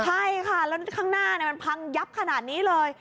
ใช่ค่ะแล้วข้างหน้ามันพังยับขนาดนี้เลย